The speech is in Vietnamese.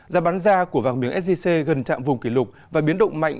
giá bán ra của vàng miếng sgc gần trạm vùng kỷ lục và biến động mạnh